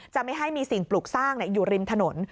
ไม่ให้มีสิ่งปลูกสร้างอยู่ริมถนน